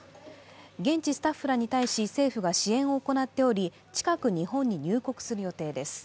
現地スタッフらに対し政府が支援を行っており近く、日本に入国する予定です。